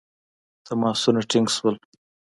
تماسونه ټینګ شول.